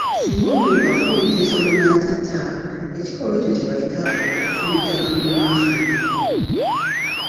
Singa omuntu afumita ku nsolo n’atagitta, ekikolwa ekyo kye bayita okufumita kanuunansubi.